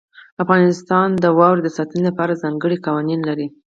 افغانستان د واورې د ساتنې لپاره ځانګړي قوانین لري.